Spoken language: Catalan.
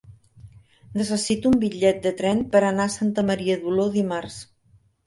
Necessito un bitllet de tren per anar a Santa Maria d'Oló dimarts.